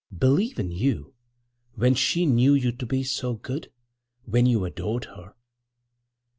"Believe in you?—when she knew you to be so good!—when you adored her!"